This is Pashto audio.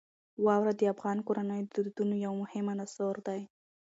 واوره د افغان کورنیو د دودونو یو مهم عنصر دی.